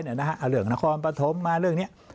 เหลืองนครพันธมมาเรื่องนี้